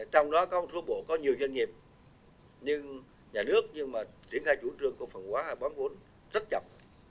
trong đó có một số bộ có nhiều doanh nghiệp như nhà nước nhưng mà triển khai chủ trường cổ phân hóa hay bán vốn rất chậm